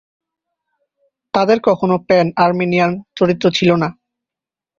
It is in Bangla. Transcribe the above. তাদের কখনো প্যান-আর্মেনিয়ান চরিত্র ছিল না।